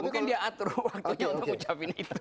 mungkin dia atur waktunya untuk ucapin itu